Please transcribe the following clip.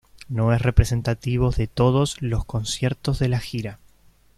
No es representativo de todos los conciertos de la gira.